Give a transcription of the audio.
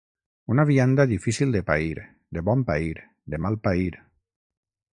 Una vianda difícil de pair, de bon pair, de mal pair.